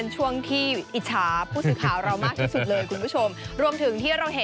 เจ้าคนมันอิจฉามึงหล่ะร่วมถึงที่เราเห็น